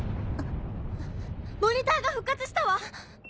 モニターが復活したわ！